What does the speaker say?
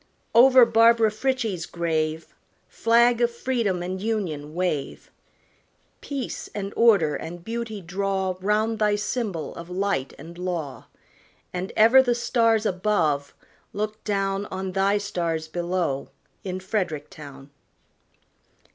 Over Barbara Frietchie's grave, Flag of freedom and Union wave! Peace and order and beauty draw Round thy symbol of light and law; And ever the stars above look down On thy stars below in Frederick town.